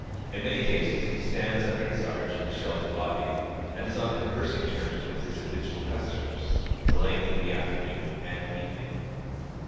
In many cases he stands under his arch in the sheltered lobby and is on conversing terms with his habitual customers, the length of the afternoon and evening.